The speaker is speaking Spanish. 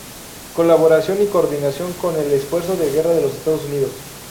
Colaboración y coordinación con el esfuerzo de guerra de los Estados Unidos.